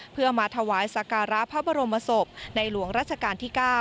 เพื่อมาถวายสการะพระบรมศพในหลวงราชการที่๙